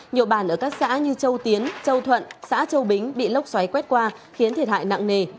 nhiều bàn ở các xã như châu tiến châu thuận xã châu bính bị lốc xoáy quét qua khiến thiệt hại nặng nề